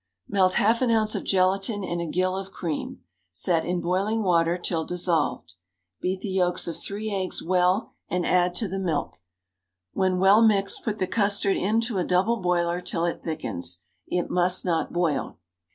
_ Melt half an ounce of gelatine in a gill of cream; set in boiling water till dissolved; beat the yolks of three eggs well, and add to the milk; when well mixed, put the custard into a double boiler till it thickens it must not boil.